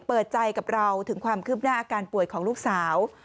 เปิดใจกับเราถึงความคืบหน้าอาการป่วยของลูกสาว